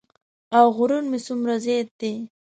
او غرور مې څومره زیات دی.